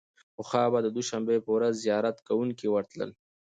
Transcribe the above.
پخوا به د دوشنبې په ورځ زیارت کوونکي ورتلل.